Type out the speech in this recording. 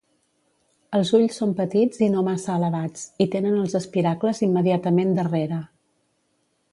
Els ulls són petits i no massa elevats, i tenen els espiracles immediatament darrere.